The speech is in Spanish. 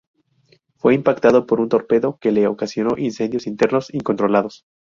Fue impactado por un torpedo que le ocasionó incendios internos incontrolados.